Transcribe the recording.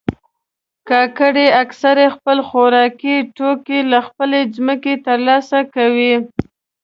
کاکړي اکثره خپل خوراکي توکي له خپلې ځمکې ترلاسه کوي.